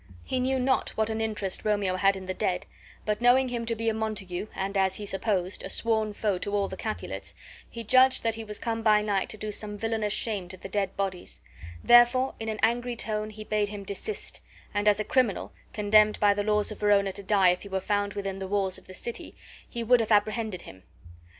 He knew not what an interest Romeo had in the dead, but, knowing him to be a Montague and (as he supposed) a sworn foe to all the Capulets, he judged that he was come by night to do some villainous shame to the dead bodies; therefore in an angry tone he bade him desist; and as a criminal, condemned by the laws of Verona to die if he were found within the walls of the city, he would have apprehended him.